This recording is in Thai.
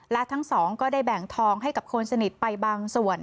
และทั้งสองก็ได้แบ่งทองให้กับคนสนิทไปบางส่วน